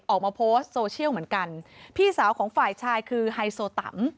ออกมาโพสต์โซเชียลเหมือนกันพี่สาวของฝ่ายชายคือไฮโซตัม